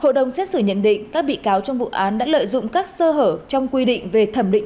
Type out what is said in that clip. hội đồng xét xử nhận định các bị cáo trong vụ án đã lợi dụng các sơ hở trong quy định về thẩm định